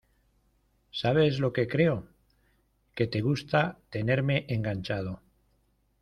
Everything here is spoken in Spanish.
¿ sabes lo que creo? que te gusta tenerme enganchado